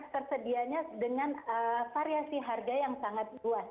tersedianya dengan variasi harga yang sangat luas